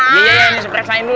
iya iya ini sepresain dulu